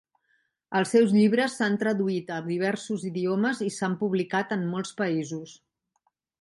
Els seus llibres s'han traduït a diversos idiomes i s'han publicat en molts països.